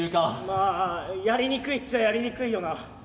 まあやりにくいっちゃやりにくいよな。